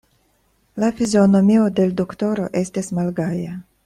La fizionomio de l' doktoro estis malgaja.